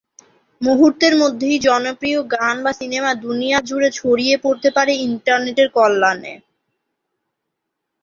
মুহুর্তের মধ্যেই জনপ্রিয় গান বা সিনেমা দুনিয়া জুড়ে ছড়িয়ে পরতে পারে ইন্টারনেটের কল্যানে।